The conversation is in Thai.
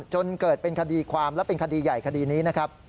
จนเกิดเป็นคดีความและเป็นคดีใหญ่คดีนี้นะครับ